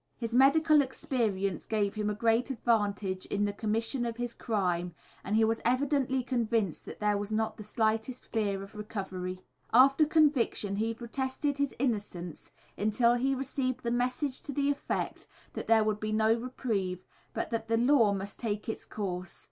His medical experience gave him a great advantage in the commission of his crime, and he was evidently convinced that there was not the slightest fear of discovery. After conviction he protested his innocence until he received the message to the effect that there would be no reprieve but that the law must take its course.